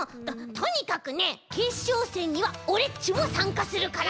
とにかくねけっしょうせんにはオレっちもさんかするから！